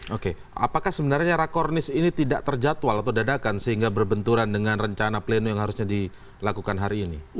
oke apakah sebenarnya rakornis ini tidak terjatual atau dadakan sehingga berbenturan dengan rencana pleno yang harusnya dilakukan hari ini